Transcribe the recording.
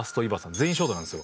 全員ショートなんですよ。